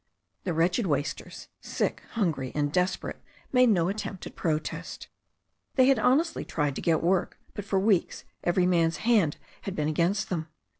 The wretched wasters, sick, hungry and desperate, made no at tempt at protest. They had honestly tried to get work, but for weeks every man's hand had been against them.